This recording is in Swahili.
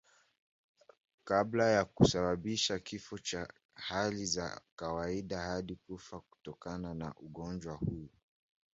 kabla ya kusababisha kifo Katika hali za kawaida hadi hufa kutokana na ugonjwa huu